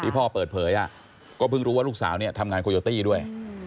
พ่อเปิดเผยก็เพิ่งรู้ว่าลูกสาวเนี่ยทำงานโคโยตี้ด้วย